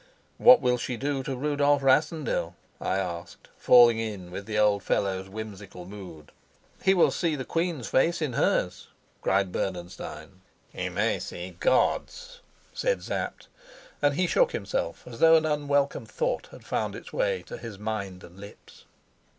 "What will she do to Rudolf Rassendyll?" I asked, falling in with the old fellow's whimsical mood. "He will see the queen's face in hers," cried Bernenstein. "He may see God's," said Sapt; and he shook himself as though an unwelcome thought had found its way to his mind and lips.